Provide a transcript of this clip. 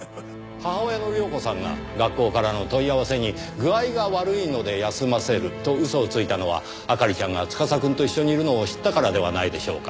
母親の亮子さんが学校からの問い合わせに具合が悪いので休ませると嘘をついたのは明里ちゃんが司くんと一緒にいるのを知ったからではないでしょうか。